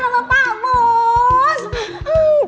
ya pak seng